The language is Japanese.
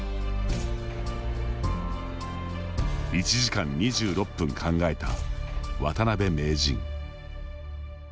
１時間２６分考えた渡辺名人。